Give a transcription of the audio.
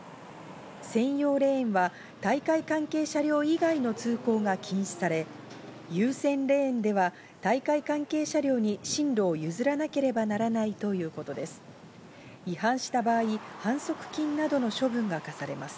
専用レーンは大会関係車両以外の通行が禁止され、優先レーンでは大会関係車両に進路を譲らなければならないということです。